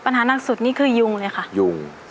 นักสุดนี่คือยุงเลยค่ะยุง